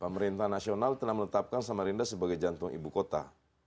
pemerintah nasional telah menetapkan samarinda sebagai jantung ibu kota